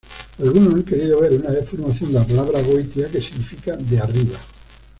Algunos han querido ver una deformación de la palabra "goitia", que significa 'de arriba'.